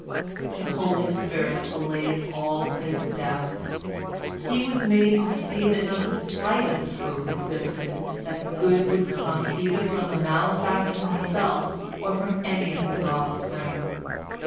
The holy spirit allayed all his doubts. He was made to see that not the slightest hope existed that good would come either from the malefactor himself or from any of his offspring.